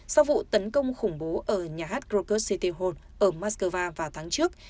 sau vụ tấn công khủng bố ở nhà hát kroger city hall ở moscow vào tháng trước